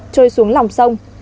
trôi xuống lòng sông